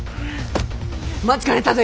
待ちかねたぞ！